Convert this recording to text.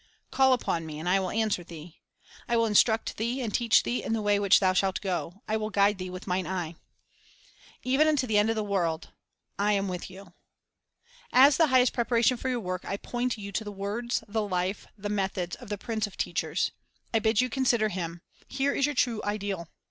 1 "Call upon Me, and I will answer thee." "I will instruct thee and teach thee in the way which thou shalt go; I will guide thee with Mine eye." 2 "Even unto the end of the world" "I am with you." 3 As the highest preparation for your work, I point you to the words, the life, the methods, of the Prince of teachers. I bid you consider Him. Here is your true ideal.